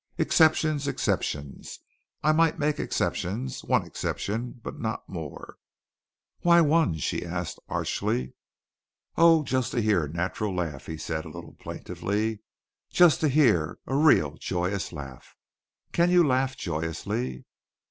"Exceptions, exceptions. I might make exceptions one exception but not more." "Why one?" she asked archly. "Oh, just to hear a natural laugh," he said a little plaintively. "Just to hear a real joyous laugh. Can you laugh joyously?"